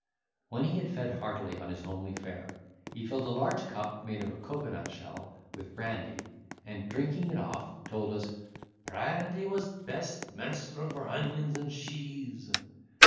When he had fed heartily on his homely fare, he filled a large cup, made of a cocoa nut shell, with brandy, and, drinking it off, told us, "Prandy was the best menstruum for onions and sheese."